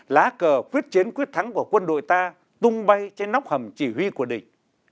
lá cờ quyết chiến quyết thắng của quân đội ta tung bay trên nóc hầm chỉ huy của địch